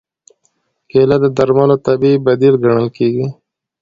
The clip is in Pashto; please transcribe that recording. کېله د درملو طبیعي بدیل ګڼل کېږي.